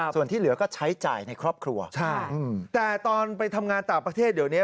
ส่วนที่เหลือก็ใช้จ่ายในครอบครัวใช่แต่ตอนไปทำงานต่างประเทศเดี๋ยวนี้